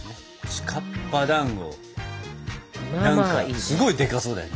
ちかっぱだんご何かすごいでかそうだよね。